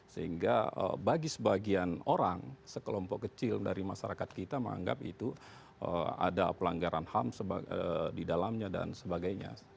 sehingga bagi sebagian orang sekelompok kecil dari masyarakat kita menganggap itu ada pelanggaran ham di dalamnya dan sebagainya